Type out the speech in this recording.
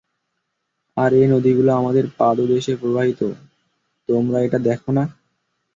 আর এ নদীগুলো আমার পাদদেশে প্রবাহিত, তোমরা এটা দেখ না?